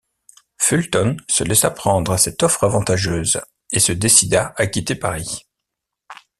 Fulton se laissa prendre à cette offre avantageuse, et se décida à quitter Paris.